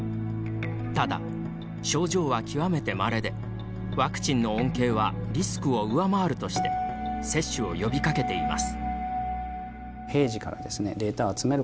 ただ、症状は極めてまれでワクチンの恩恵はリスクを上回るとして接種を呼びかけています。